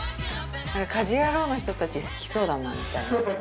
家事ヤロウの人たち好きそうだなみたいな。